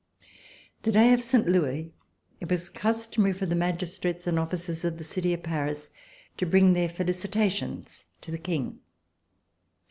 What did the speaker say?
The day of Saint Louis it was customary for the magistrates and officers of the city of Paris to bring their felicitations to the King.